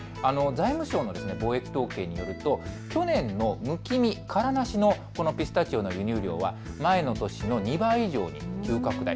外務省の貿易統計によると去年のむき身、からなしのピスタチオの輸入量は前の年の２倍以上に急拡大。